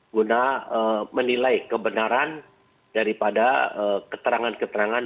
guna menilai kebenaran daripada keterangan keterangan